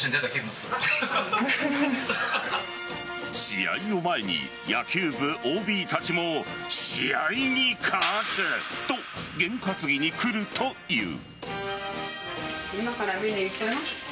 試合を前に野球部ＯＢたちも試合にカツと験担ぎに来るという。